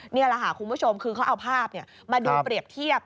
นี่แหละค่ะคุณผู้ชมคือเขาเอาภาพมาดูเปรียบเทียบ